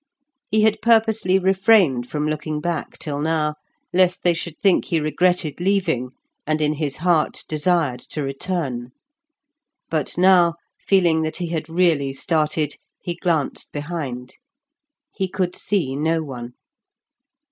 He had purposely refrained from looking back till now, lest they should think he regretted leaving, and in his heart desired to return. But now, feeling that he had really started, he glanced behind. He could see no one.